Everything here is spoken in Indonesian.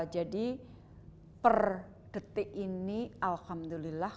jadi per detik ini alhamdulillah